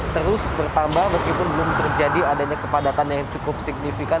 terus bertambah meskipun belum terjadi adanya kepadatan yang cukup signifikan